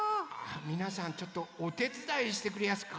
みなさんちょっとおてつだいしてくれやすか？